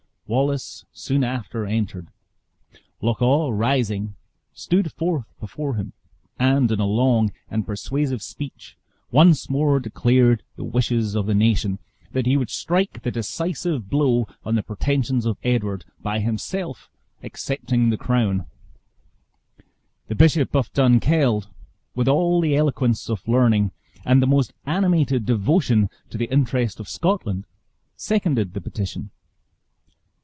Wallace soon after entered. Loch awe rising, stood forth before him; and, in a long and persuasive speech, once more declared the wishes of the nation that he would strike the decisive blow on the pretensions of Edward, by himself accepting the crown. The Bishop of Dunkeld, with al the eloquence of learning and the most animated devotion to the interest of Scotland, seconded the petition.